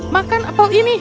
makan apel ini